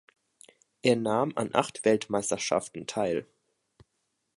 Er nahm an acht Weltmeisterschaften teil.